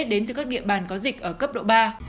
đến từ các địa bàn có dịch ở cấp độ ba